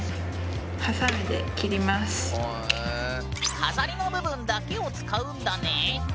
飾りの部分だけを使うんだね。